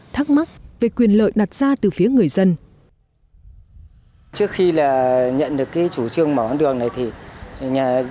thắc mắc về quyền lợi đặt ra từ phía người dân